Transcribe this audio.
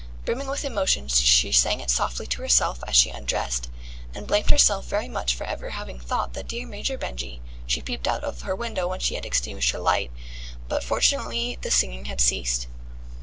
Brimming with emotion, she sang it softly to herself as she undressed, and blamed herself very much for ever having thought that dear Major Benjy She peeped out of her window when she had extinguished her light, but fortunately the singing had ceased.